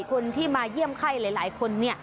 คนที่มาเยี่ยมไข้หลายคน